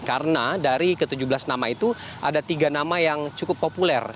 karena dari ke tujuh belas nama itu ada tiga nama yang cukup populer